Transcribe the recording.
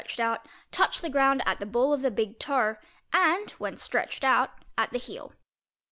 ched out, touch the ground at the be of the big toe, and when stdetch oe out at the heel.